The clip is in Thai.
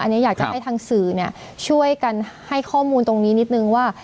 อันนี้อยากจะให้ทางสื่อช่วยกันให้ข้อมูลตรงนี้นิดนึงว่า